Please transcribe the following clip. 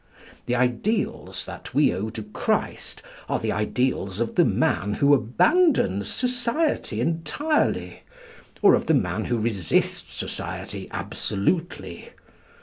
The ideals that we owe to Christ are the ideals of the man who abandons society entirely, or of the man who resists society absolutely.